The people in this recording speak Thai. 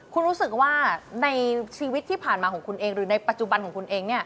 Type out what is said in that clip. คุณรู้สึกว่าในชีวิตที่ผ่านมาของคุณเองหรือในปัจจุบันของคุณเอง